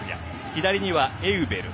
左にはエウベル。